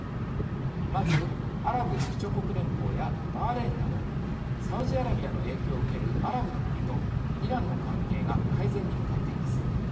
まずアラブ首長国連邦やバーレーンなどサウジアラビアの影響を受けるアラブの国とイランの関係が改善に向かっています。